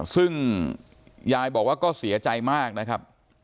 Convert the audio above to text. ซึ่งยายบอกว่าก็เสียใจมากนะครับ